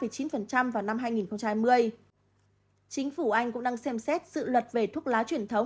chính phủ anh cũng đang xem xét dự luật về thuốc lá truyền thống